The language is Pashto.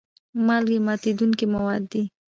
مالګې ماتیدونکي مواد دي.